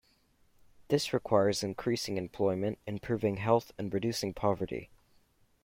This requires increasing employment, improving health and reducing poverty.